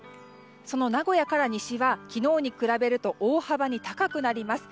その名古屋から西は昨日に比べると大幅に高くなります。